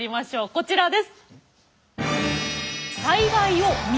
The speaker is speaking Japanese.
こちらです。